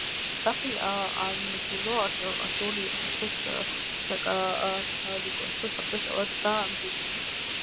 რაფიელ ინგილო არჩეული იყო საქართველოს საკათალიკოსო საბჭოს წევრად და მდივნად.